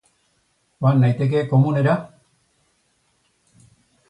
Joan naiteke komunera?